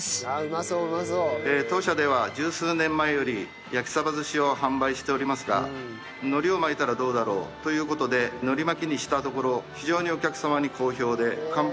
当社では十数年前より焼き鯖寿司を販売しておりますが海苔を巻いたらどうだろう？という事で海苔巻きにしたところ非常にお客様に好評で。